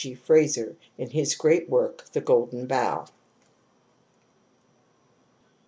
G. Frazer in his great work, The Golden Bough ^*.